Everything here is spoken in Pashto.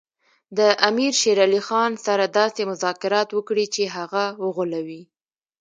د امیر شېر علي خان سره داسې مذاکرات وکړي چې هغه وغولوي.